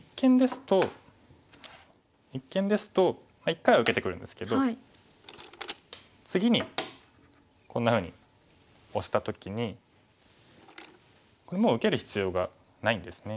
一間ですと一回は受けてくるんですけど次にこんなふうにオシた時にこれもう受ける必要がないんですね。